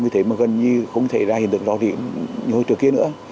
vì thế mà gần như không thể ra hiện tượng rõ rỉ như hồ thầy xỉ kia nữa